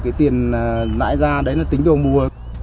cái tiền lại ra đấy nó tính từ mùa